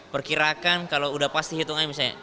perkirakan kalau sudah pasti hitungannya